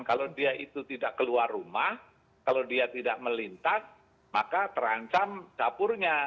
kalau dia itu tidak keluar rumah kalau dia tidak melintas maka terancam dapurnya